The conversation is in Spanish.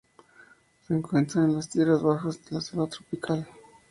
Se encuentra en las tierras bajas de la selva tropical.